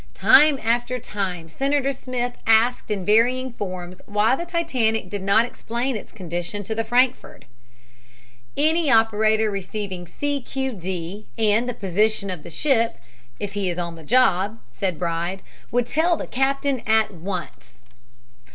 Time after time Senator Smith asked in varying forms why the Titanic did not explain its condition to the Frankfurt. "Any operator receiving 'C. Q. D.' and the position of the ship, if he is on the job," said Bride, "would tell the captain at once."